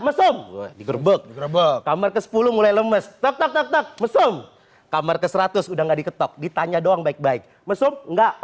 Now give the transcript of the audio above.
mesum di gerbek gerbek kamar ke sepuluh itu masih semangat masih semangat masih semangat masih semangat